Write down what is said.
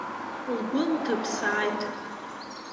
Лгәы нҭыԥсааит.